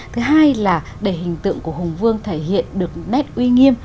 thứ hai là để hình tượng của hùng vương thể hiện được nét uy nghiêm